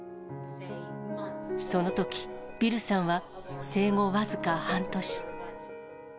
そのとき、ビルさんは生後僅か半年。